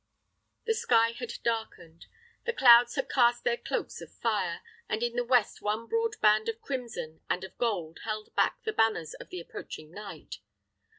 The sky had darkened; the clouds had cast their cloaks of fire, and in the west one broad band of crimson and of gold held back the banners of the approaching night.